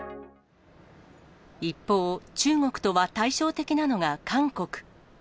一方、中国とは対照的なのが韓国。